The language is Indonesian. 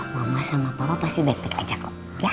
mama sama papa pasti baik baik aja kok